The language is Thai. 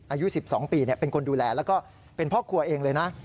อายุ๑๒ปีเป็นคนดูแลแล้วก็เป็นพ่อครัวเองเลยนะ